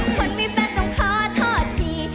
คนมีแฟนต้องขอโทษที